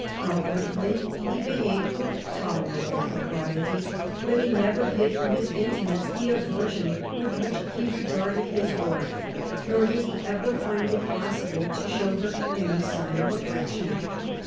Outwardly he behaved with tolerable propriety, but he never hid from his intimates the aversion with which he regarded his wife, nor did he ever find it possible to show her any sign of affection.